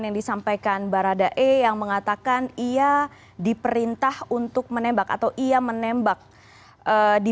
yang disampaikan baradae yang mengatakan ia diperintah untuk menembak atau ia menembak di